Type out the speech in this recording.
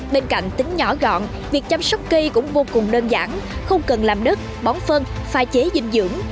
bên cạnh tính nhỏ gọn việc chăm sóc cây cũng vô cùng đơn giản không cần làm đứt bóng phân phai chế dinh dưỡng